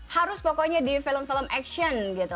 harus pokoknya di film film action gitu